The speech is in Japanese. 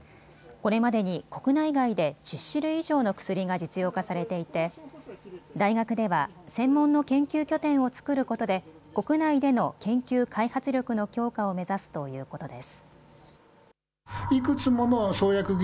これまでに国内外で１０種類以上の薬が実用化されていて大学では専門の研究拠点を作ることで国内での研究開発力の強化を目指すということです。